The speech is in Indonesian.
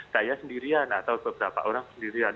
saya sendirian atau beberapa orang sendirian